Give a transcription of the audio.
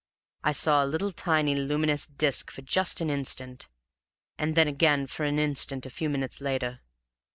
I saw a little tiny luminous disk just for an instant, and then again for an instant a few minutes later.